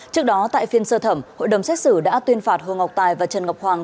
trước đó tại phiên sơ thẩm hội đồng xét xử đã tuyên phạt hồ ngọc tài và trần ngọc hoàng